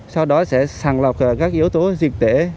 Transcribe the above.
sau đó sẽ sàng lọc các yếu tố dịch tễ